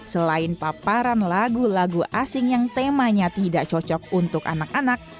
selain paparan lagu lagu asing yang temanya tidak cocok untuk anak anak